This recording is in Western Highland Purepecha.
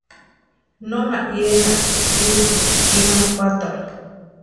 Nónha irenhasti kwʼiripuecha ima juatarhu.